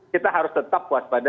kita harus tetap puas pada